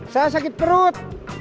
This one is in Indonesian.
saya sakit perut